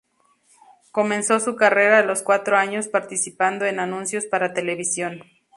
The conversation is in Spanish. Comenzó su carrera a los cuatro años participando en anuncios para televisión.